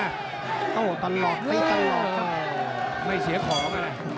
ตั้งแต่หน้าเต้าตัวตลอดไม่เสียขอบอะไร